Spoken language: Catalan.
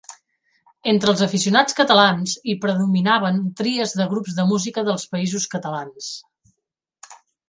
Entre els aficionats catalans hi predominaven tries de grups de música dels Països Catalans.